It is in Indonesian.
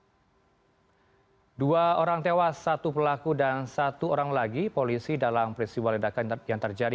dua orang tewas satu pelaku dan satu orang lagi polisi dalam peristiwa ledakan yang terjadi